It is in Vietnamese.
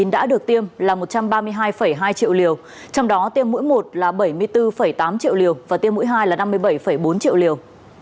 đã được tiêm là một trăm ba mươi hai hai triệu liều trong đó tiêm mũi một là bảy mươi bốn tám triệu liều và tiêm mũi hai là năm mươi bảy bốn triệu liều